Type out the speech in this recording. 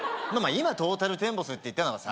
今トータルテンボスって言ったのはさ